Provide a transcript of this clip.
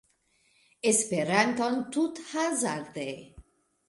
Esperanton tuthazarde